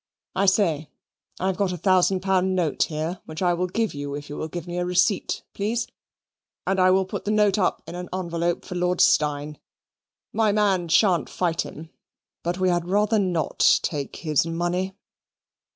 I say, I've got a thousand pound note here, which I will give you if you will give me a receipt, please; and I will put the note up in an envelope for Lord Steyne. My man shan't fight him. But we had rather not take his money."